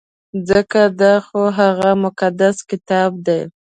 ځکه دا خو هغه مقدس کتاب دی.